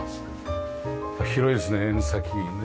広いですね縁先ね。